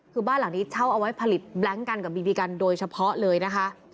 คือบ้านหลังนี้เช่าเอาไว้ผลิตแบล็งกันกับบีบีกันโดยเฉพาะเลยนะคะ